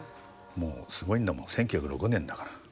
もうすごいんだもん１９０６年だから。